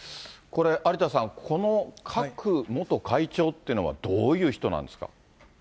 これ、有田さん、このクァク元会長っていうのは、どういう人なんですか。